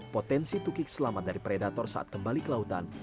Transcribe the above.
potensi tukik selamat dari predator saat kembali ke lautan